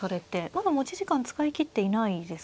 まだ持ち時間使い切っていないですからね。